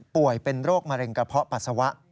ป่วยเป็นโรคมะเร็งกระเพาะปัสสาวะ